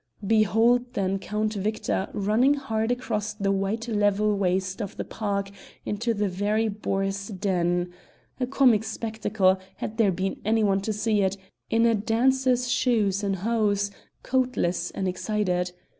Behold then Count Victor running hard across the white level waste of the park into the very boar's den a comic spectacle, had there been any one to see it, in a dancer's shoes and hose, coatless and excited.